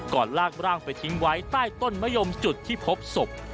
ลากร่างไปทิ้งไว้ใต้ต้นมะยมจุดที่พบศพ